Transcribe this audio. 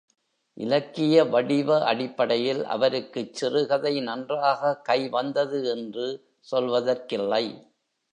இலக்கிய வடிவ அடிப்படையில் அவருக்குச் சிறுகதை நன்றாக கைவந்தது என்று சொல்வதற்கில்லை.